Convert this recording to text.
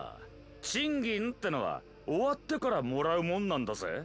賃金ってのは終わってからもらうもんなんだゼッ！